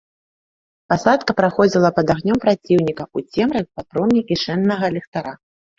Пасадка праходзіла пад агнём праціўніка, у цемры, па промні кішэннага ліхтара.